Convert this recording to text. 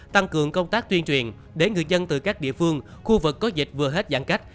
tăng cường công tác tuyên truyền để người dân từ các địa phương khu vực có dịch vừa hết giãn cách